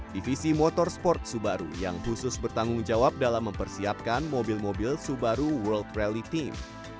divisi motorsport subaru yang khusus bertanggung jawab dalam mempersiapkan mobil mobil subaru world reality